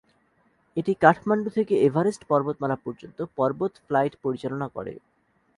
এটি কাঠমান্ডু থেকে এভারেস্ট পর্বতমালা পর্যন্ত পর্বত ফ্লাইট পরিচালনা করে।